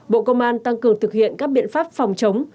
bộ công an tăng cường thực hiện các biện pháp phòng chống